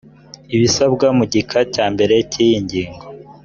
ibisabwa mu gika cya mbere cy iyi ngingo